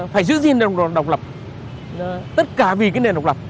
phải giữ gìn độc lập tất cả vì cái nền độc lập